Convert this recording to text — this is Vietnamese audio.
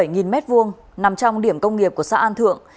nằm trong điểm công nghiệp của xã an thượng